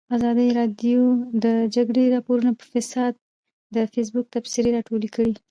ازادي راډیو د د جګړې راپورونه په اړه د فیسبوک تبصرې راټولې کړي.